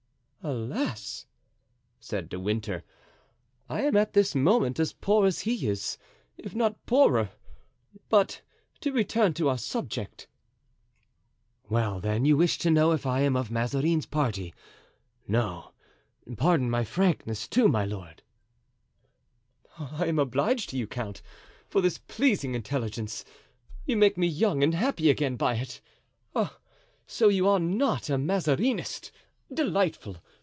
"Alas!" said De Winter, "I am at this moment as poor as he is, if not poorer. But to return to our subject." "Well, then, you wish to know if I am of Mazarin's party? No. Pardon my frankness, too, my lord." "I am obliged to you, count, for this pleasing intelligence! You make me young and happy again by it. Ah! so you are not a Mazarinist? Delightful!